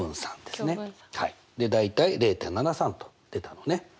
大体０．７３と出たのね。